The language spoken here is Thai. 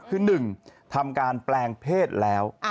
คือ๑ทำการแปลงเพศแล้ว